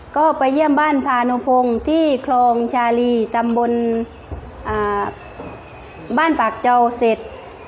ก็ไปเยี่ยมบ้านพานุพงศ์ที่คลองชาลีตำบลบ้านปากเจ้าเสร็จ